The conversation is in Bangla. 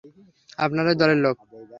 আপনারই দলের লোক!